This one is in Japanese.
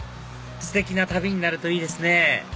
ステキな旅になるといいですね